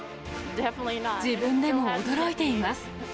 自分でも驚いています。